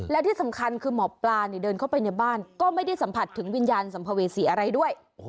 และที่สำคัญคือหมอปลาเดินเข้าไปในบ้านก็ไม่ได้สัมผัสถึงวิญญาณสัมภเวษีอะไรด้วย